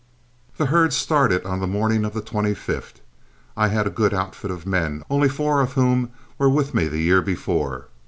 The herd started on the morning of the 25th. I had a good outfit of men, only four of whom were with me the year before.